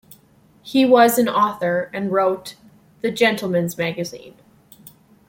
He was an author and wrote for "The Gentleman's Magazine".